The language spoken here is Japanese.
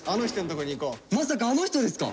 まさかあの人ですか？